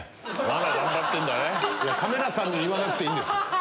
カメラさんに言わなくていいです。